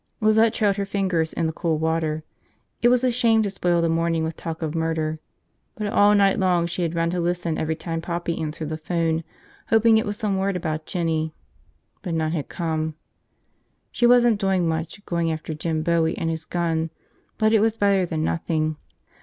Lizette trailed her fingers in the cool water. It was a shame to spoil the morning with talk of murder. But all night long she had run to listen every time Poppy answered the phone, hoping it was some word about Jinny, but none had come. She wasn't doing much, going after Jim Bowie and his gun, but it was better than nothing.